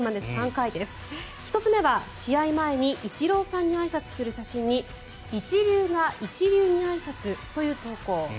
１つ目は試合前にイチローさんにあいさつする写真に一流が一流にあいさつという投稿。